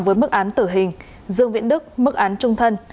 với mức án tử hình dương viễn đức mức án trung thân